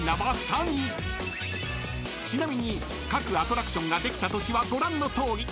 ［ちなみに各アトラクションができた年はご覧のとおり］